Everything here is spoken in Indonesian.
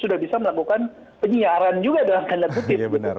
sudah bisa melakukan penyiaran juga dalam kandang putih